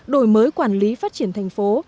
đổi mới quản lý phát triển thành phố